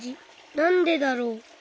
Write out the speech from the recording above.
なんでだろう。